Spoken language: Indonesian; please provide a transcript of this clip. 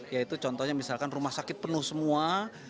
yaitu contohnya misalkan rumah sakit penuh semua